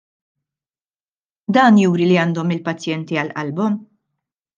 Dan juri li għandhom il-pazjenti għal qalbhom?